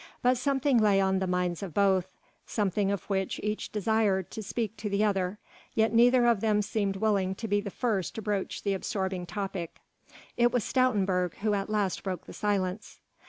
But something lay on the minds of both something of which each desired to speak to the other, yet neither of them seemed willing to be the first to broach the absorbing topic. It was Stoutenburg who at last broke the silence.